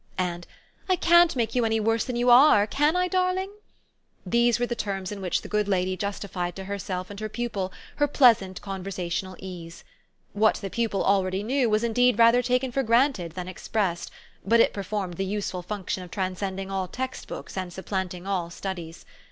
and "I can't make you any worse than you ARE, can I, darling?" these were the terms in which the good lady justified to herself and her pupil her pleasant conversational ease. What the pupil already knew was indeed rather taken for granted than expressed, but it performed the useful function of transcending all textbooks and supplanting all studies.